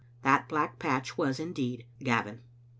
That black patch was, indeed, Gavin.